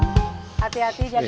hati hati jaga kesimbangannya